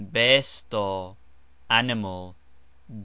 bEsto : animal.